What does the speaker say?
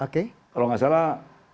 kalau gak salah